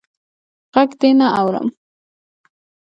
ږغ دي نه اورم.